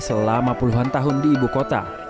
selama puluhan tahun di ibu kota